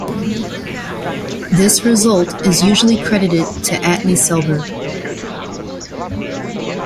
This result is usually credited to Atle Selberg.